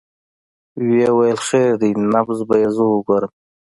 ويې ويل خير دى نبض به يې زه وګورم.